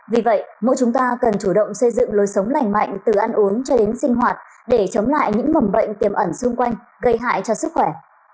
vì vậy mỗi chúng ta cần chủ động xây dựng lối sống lành mạnh từ ăn uống cho đến sinh hoạt để chống lại những mầm bệnh tiềm ẩn xung quanh gây hại cho sức khỏe